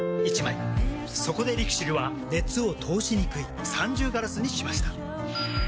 そこでＬＩＸＩＬは熱を通しにくい三重ガラスにしました。